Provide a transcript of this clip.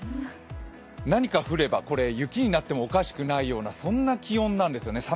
何か降れば、これ雪になってもおかしくないようなそんな気温なんですね。